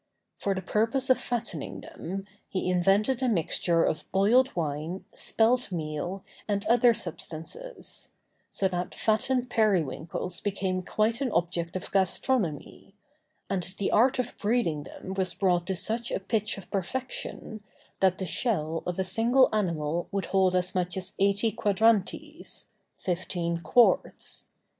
For the purpose of fattening them, he invented a mixture of boiled wine, spelt meal, and other substances; so that fattened periwinkles became quite an object of gastronomy; and the art of breeding them was brought to such a pitch of perfection, that the shell of a single animal would hold as much as eighty quadrantes (fifteen quarts).